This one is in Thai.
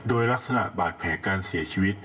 โดยลักษณะบาดแผลการเสียชีวิต